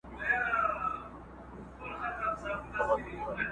څوک پاچا وي، څوک مُلا وي، څوک کلال دی؛